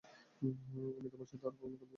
আমি তোমার সাথে আর কখনো কথা বলবো না।